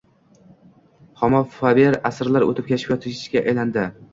Homo faber asrlar o‘tib kashfiyotchiga aylandi